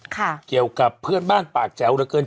เกี่ยวกับเพื่อนบ้านปากแจ๋วเหลือเกิน